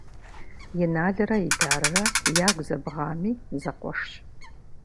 Иналрэ Идаррэ ягу зэбгъами, зэкъуэшщ.